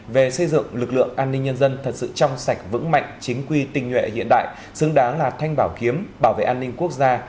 về xây dựng lực lượng an ninh nhân dân thật sự trong sạch vững mạnh chính quy tình nguyện hiện đại xứng đáng là thanh bảo kiếm bảo vệ an ninh quốc gia